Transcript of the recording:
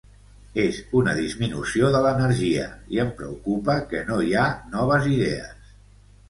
És una disminució de l'energia i em preocupa que no hi ha noves idees.